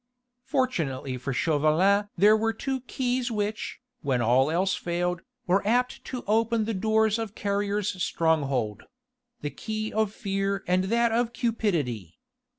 Fortunately for Chauvelin there were two keys which, when all else failed, were apt to open the doors of Carrier's stronghold: the key of fear and that of cupidity.